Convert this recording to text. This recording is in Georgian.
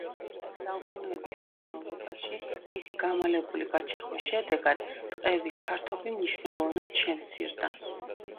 საუკუნეების განმავლობაში, მისი გამალებული გაჩეხვის შედეგად, ტყეების ფართობი მნიშვნელოვნად შემცირდა.